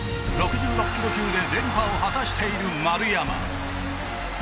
６６キロ級で連覇を果たしている丸山。